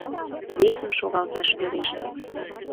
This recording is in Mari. Весым шогалташ вереште.